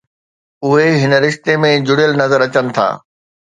اهي هن رشتي ۾ جڙيل نظر اچن ٿا